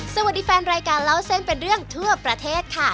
สวัสดีแฟนรายการเล่าเส้นเป็นเรื่องทั่วประเทศค่ะ